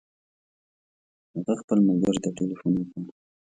هغه خپل ملګري ته تلیفون وکړ.